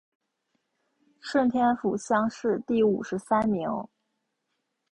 顺天府乡试第五十三名。